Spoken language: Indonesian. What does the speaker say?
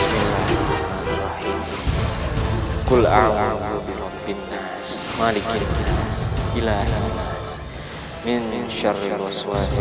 dan suci sufi seluruh dunia